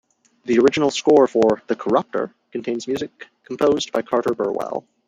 The original score for "The Corruptor" contains music composed by Carter Burwell.